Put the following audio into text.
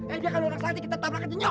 eh biarkan orang santik kita tabrakkan senyok